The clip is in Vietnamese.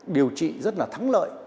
điều trị rất là thắng lợi